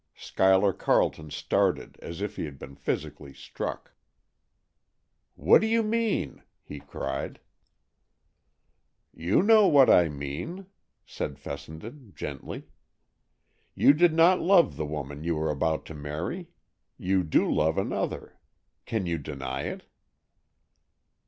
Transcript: Schuyler Carleton started as if he had been physically struck. "What do you mean?" he cried. "You know what I mean," said Fessenden gently. "You did not love the woman you were about to marry. You do love another. Can you deny it?"